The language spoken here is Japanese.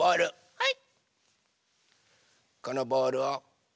はい。